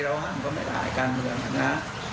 เราห้ามก็ไม่หลายกันอย่างนั้นนะ